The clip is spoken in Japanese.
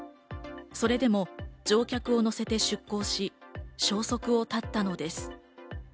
それでも乗客を乗せて出港し、消息を絶ったのです。